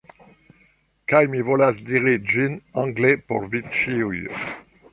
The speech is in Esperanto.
Kaj mi volas diri ĝin angle por vi ĉiuj.